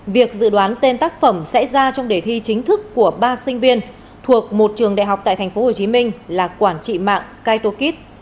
việc dự đoán tên tác phẩm sẽ ra trong đề thi chính thức của ba sinh viên thuộc một trường đại học tại tp hcm là quản trị mạng kaitokit